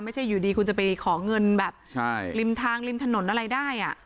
ไม่ใช่อยู่ดีคุณจะไปขอเงินแบบใช่ริมทางริมถนนอะไรได้อ่ะ